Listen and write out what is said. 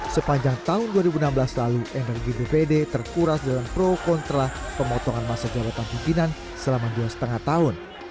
sepanjang tahun dua ribu enam belas lalu energi dpd terkuras dalam pro kontra pemotongan masa jabatan pimpinan selama dua lima tahun